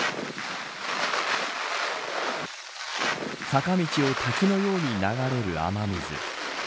坂道を滝のように流れる雨水。